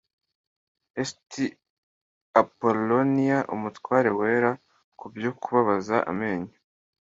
St Appoloniya Umutware Wera kubyo Kubabaza amenyo